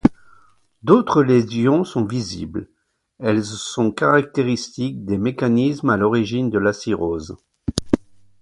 D'autres lésions sont visibles, elles sont caractéristiques des mécanismes à l'origine de la cirrhose.